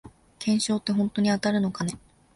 懸賞ってほんとに当たるのかね